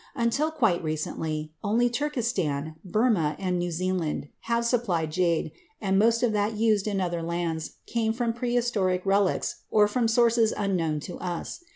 Until quite recently only Turkestan, Burma and New Zealand have supplied jade and most of that used in other lands came from prehistoric relics or from sources unknown to us.